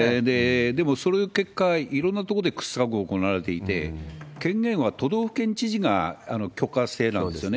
でも、その結果、いろんな所で掘削が行われていて、権限は都道府県知事が許可制なんですよね。